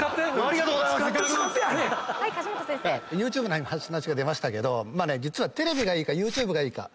ＹｏｕＴｕｂｅの話が出ましたけど実はテレビがいいかＹｏｕＴｕｂｅがいいか。